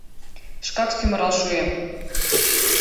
Шкак сӱмырал шуэм!